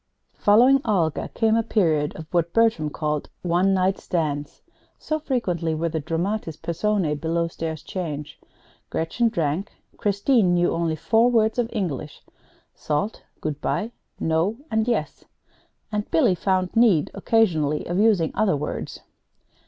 Following Olga came a period of what Bertram called "one night stands," so frequently were the dramatis personæ below stairs changed. Gretchen drank. Christine knew only four words of English: salt, good by, no, and yes; and Billy found need occasionally of using other words.